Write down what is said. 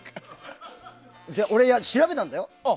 俺、調べたんだよ。